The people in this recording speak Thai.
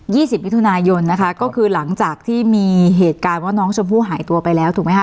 สิบมิถุนายนนะคะก็คือหลังจากที่มีเหตุการณ์ว่าน้องชมพู่หายตัวไปแล้วถูกไหมคะ